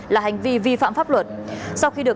là hành vi vi phạm pháp luật sau khi được